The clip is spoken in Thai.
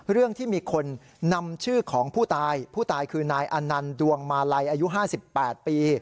เรื่องที่มีคนนำชื่อของผู้ตายผู้ตายคือนายอนันต์ดวงมาลัยอายุ๕๘ปี